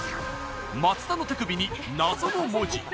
松田の手首に謎の文字。